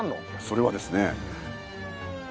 それはですね。